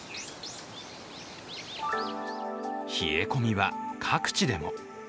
冷え込みは各地でも。